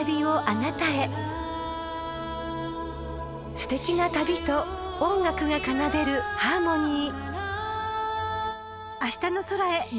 ［すてきな旅と音楽が奏でるハーモニー］